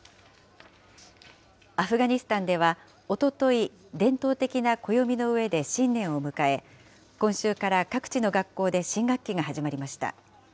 アフガニスタンでは、おととい、伝統的な暦の上で新年を迎え、今週から各地の学校で新学期が始まりました。